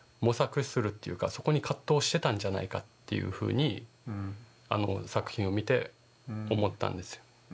そこに葛藤してたんじゃないかっていうふうに作品を見て思ったんですよ。